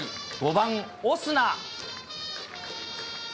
５番オスナ。